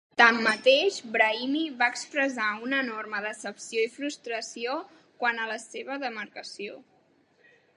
Tanmateix, Brahimi va expressar una enorme decepció i frustració quant a la seva demarcació.